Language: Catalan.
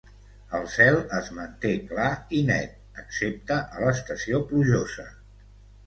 El cel es manté clar i net, excepte a l'estació plujosa.